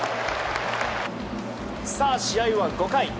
さあ、試合は５回。